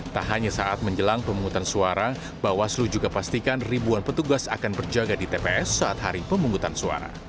tak hanya saat menjelang pemungutan suara bawaslu juga pastikan ribuan petugas akan berjaga di tps saat hari pemungutan suara